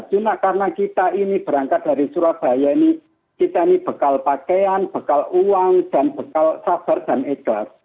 cuma karena kita ini berangkat dari surabaya ini kita ini bekal pakaian bekal uang dan bekal sabar dan ikhlas